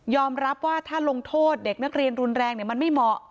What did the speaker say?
รับว่าถ้าลงโทษเด็กนักเรียนรุนแรงมันไม่เหมาะ